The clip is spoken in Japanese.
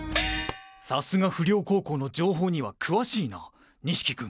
さすが不良高校の情報には詳しいな錦君。